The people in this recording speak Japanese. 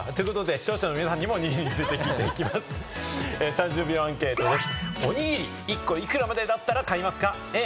視聴者の皆さんにもおにぎりについて聞いていきます、３０秒アンケートです。